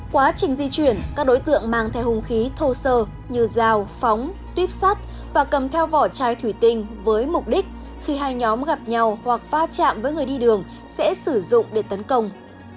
quá trình di chuyển các đối tượng mang theo hùng khí thô sơ như rào phóng tuyếp sắt và cầm theo vỏ chai thủy tinh với mục đích khi hai nhóm gặp nhau hoặc va chạm với người đi đường sẽ sử dụng để tấn công